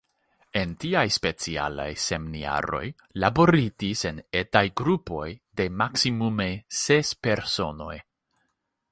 En tiaj specialaj semniaroj laboritis en etaj grupoj de maksimume ses personoj.